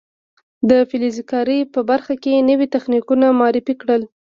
د فلز کارۍ په برخه کې نوي تخنیکونه معرفي کړل.